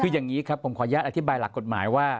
คืออย่างนี้ครับผมขออนุญาตอธิบายหลักกฎหมายว่า